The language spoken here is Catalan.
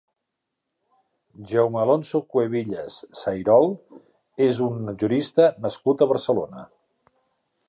Jaume Alonso-Cuevillas Sayrol és un jurista nascut a Barcelona.